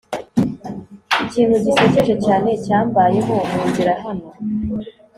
ikintu gisekeje cyane cyambayeho munzira hano